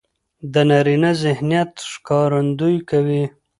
د نارينه ذهنيت ښکارندويي کوي.